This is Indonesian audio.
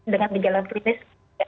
dengan segala klinis